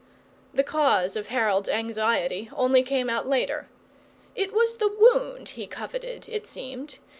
The cause of Harold's anxiety only came out later. It was the wound he coveted, it seemed.